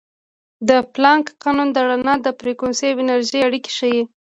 د پلانک قانون د رڼا فریکونسي او انرژي اړیکې ښيي.